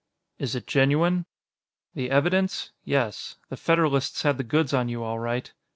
"Is it genuine?" "The evidence? Yes. The Federalists had the goods on you, all right."